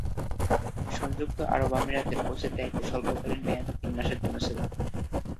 সংযুক্ত আরব আমিরাতের কোচের দায়িত্বে স্বল্পকালীন মেয়াদে তিন মাসের জন্য ছিলেন।